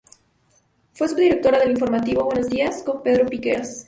Fue subdirectora del Informativo "Buenos días", con Pedro Piqueras.